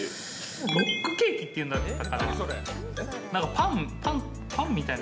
ロックケーキっていうんだったかな。